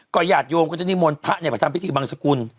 ก่อยหยาดโยมก็จะนิมวลพระเนี่ยพระทำพิธีบางสกุล